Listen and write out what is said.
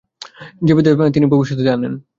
যে বিদ্যা তিনি ভবিষ্যত হইতে আনেন।